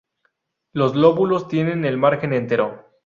Los lóbulos tienen el margen entero.